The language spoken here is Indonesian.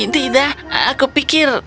tidak aku pikir